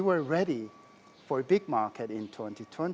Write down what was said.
kemudian kami siap untuk perjalanan besar di tahun dua ribu dua puluh